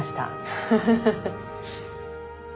フフフフフッ。